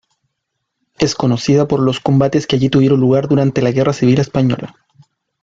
Es conocida por los combates que allí tuvieron lugar durante la guerra civil española.